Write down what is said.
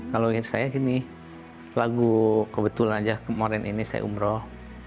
kalau saya gini lagu kebetulan aja kemarin ini saya umroh